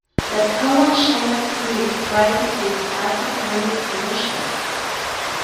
The Cowanshannock Creek rises in South Mahoning Township.